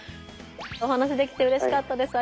お話しできてうれしかったです。